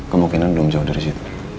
kemungkinan belum jauh dari situ